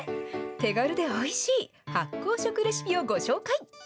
手軽でおいしい、発酵食レシピをご紹介。